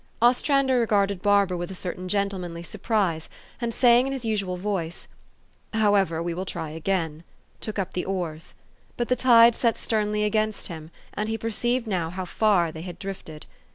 Ostrander regarded Barbara with a certain gentle manly surprise, and sajing in his usual voice, " However, we will try again," took up the oars. But the tide set sternly against him, and he per ceived now how far they had drifted.